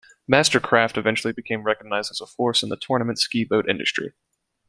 MasterCraft eventually became recognized as a force in the tournament ski boat industry.